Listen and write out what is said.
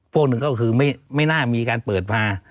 พวกหนึ่งก็คือไม่น่ามีการเปิดมา